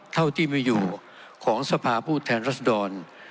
เท่าที่มีอยู่ของสภาผู้แทนรัศดร